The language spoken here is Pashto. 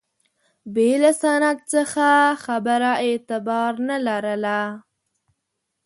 بې له سند څخه خبره اعتبار نه لرله.